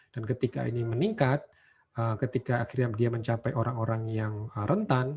dan ketika ini meningkat ketika akhirnya dia mencapai orang orang yang rentan